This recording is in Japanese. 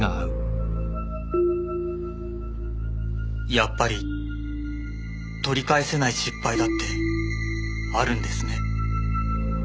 やっぱり取り返せない失敗だってあるんですね。